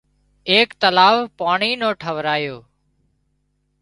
ايڪ تلاوَ پاڻي نو ٺاهرايو